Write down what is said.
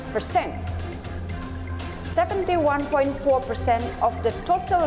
tujuh puluh satu empat persen dari penerbangan total